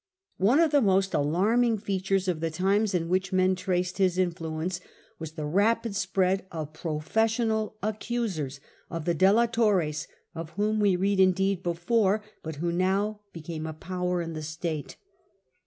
One of the most alarming features of the times in which men traced his influence was the rapid spread of The'dcla professional accusers, of the delatores, of the whom we read, indeed, before, but who now now^fet became a power in the state.